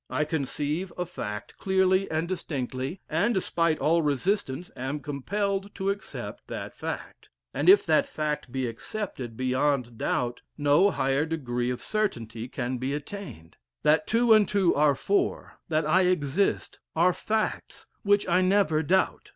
I conceive a fact clearly and distinctly, and, despite all resistance, am compelled to accept that fact; and if that fact be accepted beyond doubt, no higher degree of certainty can be attained, That two and two are four that I exist are facts which I never doubt.